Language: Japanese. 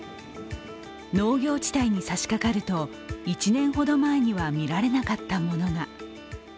農業地帯に差しかかると、１年ほど前には見られなかったものが。